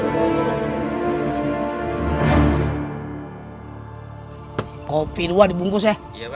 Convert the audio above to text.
hai kopi dua dibungkus ya